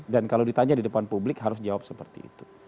dan kalau ditanya di depan publik harus jawab seperti itu